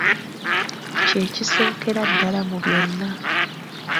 Kye kisookera ddala mu byonna.